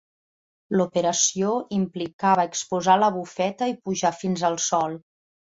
L'operació implicava exposar la bufeta i pujar fins al sòl.